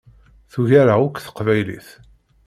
Tugar-aɣ akk Teqbaylit!